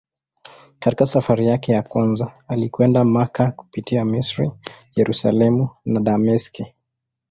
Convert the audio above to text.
Katika safari yake ya kwanza alikwenda Makka kupitia Misri, Yerusalemu na Dameski.